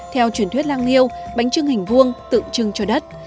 theo truyền thuyết lang liêu bánh trưng hình vuông tượng trưng cho đất